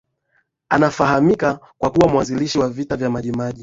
Anafahamika kwa kuwa mwanzilishi wa vita vya Maji Maji